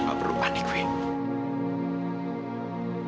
kamu ga perlu panik wih